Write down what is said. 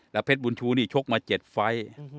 แล้วเพชรบุญชูนี่ชกมา๗ไฟล์